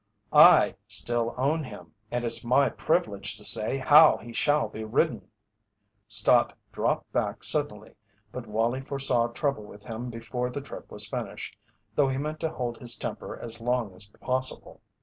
"I still own him, and it's my privilege to say how he shall be ridden." Stott dropped back suddenly but Wallie foresaw trouble with him before the trip was finished, though he meant to hold his temper as long as possible.